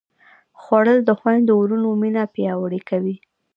خوړل د خویندو وروڼو مینه پیاوړې کوي